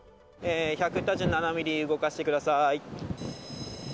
１２７ミリ、動かしてください。